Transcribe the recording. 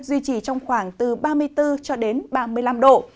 duy trì trong khoảng từ ba mươi bốn ba mươi năm độ